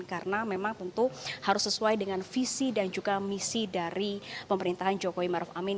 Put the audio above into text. karena memang tentu harus sesuai dengan visi dan juga misi dari pemerintahan jokowi ma'ruf amin